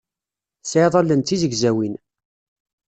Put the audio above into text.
Tesɛiḍ allen d tizegzawin.